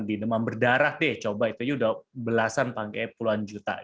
di demam berdarah coba itu sudah belasan panggilan puluhan juta